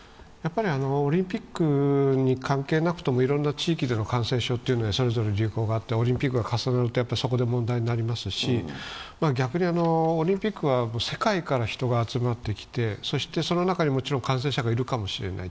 オリンピックに関係なくともいろいろな地域での感染症はそれぞれ流行があって、オリンピックが重なるとそこで問題になりますし逆にオリンピックは世界から人が集まってきて、その中にもちろん感染者がいるかもしれない。